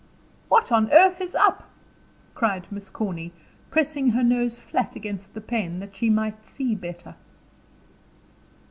"What on earth is up?" cried Miss Corny, pressing her nose flat against the pane, that she might see better.